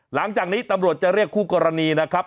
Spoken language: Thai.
หลังจากนี้ตำรวจจะเรียกคู่กรณีนะครับ